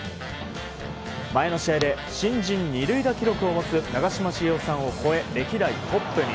前の試合で新人２塁打記録を持つ長嶋茂雄さんを超え歴代トップに。